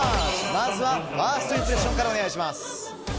まずはファーストインプレッションから参ります。